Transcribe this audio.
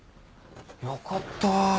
よかった。